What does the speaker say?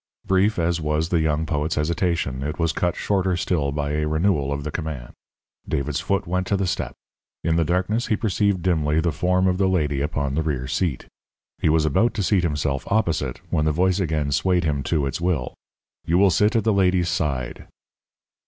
Brief as was the young poet's hesitation, it was cut shorter still by a renewal of the command. David's foot went to the step. In the darkness he perceived dimly the form of the lady upon the rear seat. He was about to seat himself opposite, when the voice again swayed him to its will. "You will sit at the lady's side."